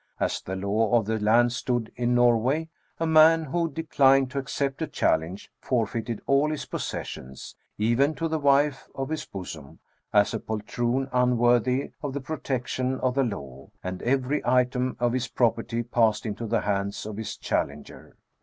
As the law of the land stood in Norway, a man who de clined to accept a challenge, forfeited all his possessions, even to the wife of his bosom, as a poltroon unworthy of the protection of the law, and every item of his property, passed into the hands of his challenger.